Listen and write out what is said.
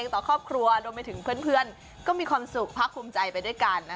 ต่อครอบครัวรวมไปถึงเพื่อนก็มีความสุขภาคภูมิใจไปด้วยกัน